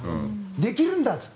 できるんだって言って。